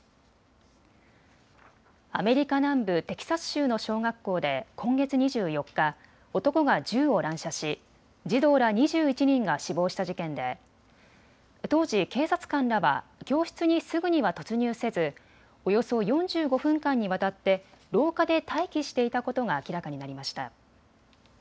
アメリカ南部テキサス州の小学校で今月２４日、男が銃を乱射し児童ら２１人が死亡した事件で当時、警察官らは教室にすぐには突入せず、およそ４５分間にわたって廊下で待機していたことが明らかになりました。